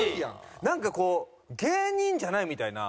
なんかこう芸人じゃないみたいな。